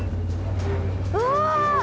うわ！